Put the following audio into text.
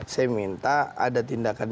saya minta ada tindakan